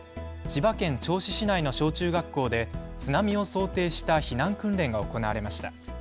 千葉県銚子市内の小中学校で津波を想定した避難訓練が行われました。